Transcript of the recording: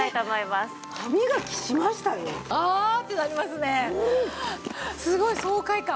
すごい爽快感。